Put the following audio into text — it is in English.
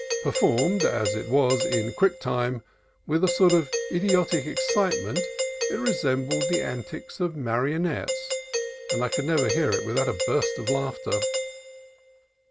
Performed, as it was, in quick time and with a sort of idiotic excitement, it resembled the antics of marionettes, and I could never hear it without a burst of laughter.